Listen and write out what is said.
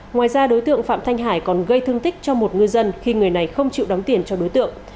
ngoài ra đối tượng phạm thanh hải còn gây thương tích cho một ngư dân khi người này không chịu đóng tiền cho đối tượng